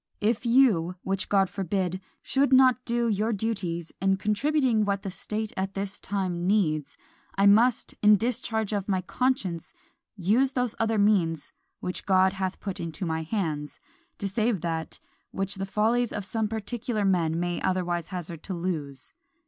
If you, which God forbid, should not do your duties in contributing what the state at this time needs, I must, in discharge of my conscience, use those other means which God hath put into my hands, to save that, which the follies of some particular men may otherwise hazard to lose."